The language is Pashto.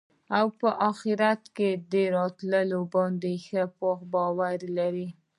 او په آخرت راتلو باندي ښه پوخ باور لري